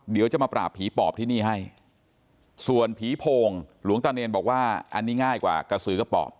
เดี๋ยวจะมาปราบผีปอบที่นี่ให้ส่วนผีโพงหลวงตาเนรบอกว่าอันนี้ง่ายกว่ากระสือกระปอบ